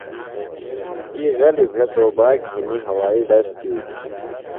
تی غلی بھےۡ توباک گِھنی ہوائی ڈز تِھیلیۡ۔